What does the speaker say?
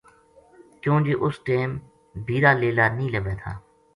کیوں جے اُس ٹیم بیر ا لیلا نیہہ لبھے تھا